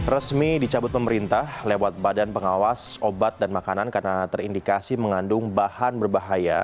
resmi dicabut pemerintah lewat badan pengawas obat dan makanan karena terindikasi mengandung bahan berbahaya